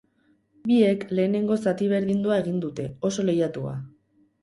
Biek lehenengo zati berdindua egin dute, oso lehiatua.